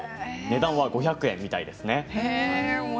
値段は５００円みたいですね。